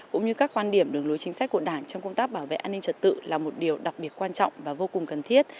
cũng như các quan điểm đường lối chính sách của đảng trong công tác bảo vệ an ninh trật tự là một điều đặc biệt quan trọng và vô cùng cần thiết